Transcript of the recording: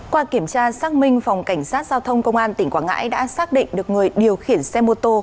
qua kiểm tra xác minh phòng cảnh sát giao thông công an tỉnh quảng ngãi đã xác định được người điều khiển xe mô tô